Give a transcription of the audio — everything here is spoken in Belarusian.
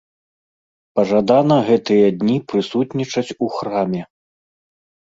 Пажадана гэтыя дні прысутнічаць у храме.